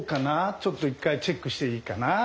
ちょっと一回チェックしていいかな？